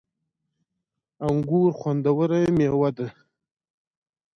انګور خوندوره مېوه ده